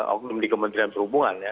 oknum di kementerian perhubungan ya